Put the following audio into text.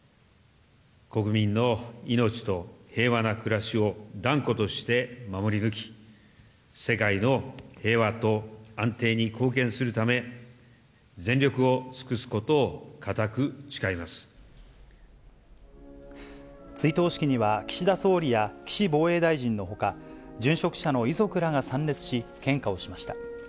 国民の命と平和な暮らしを断固として守り抜き、世界の平和と安定に貢献するため、追悼式には、岸田総理や岸防衛大臣のほか、殉職者の遺族らが参列し、献花をしました。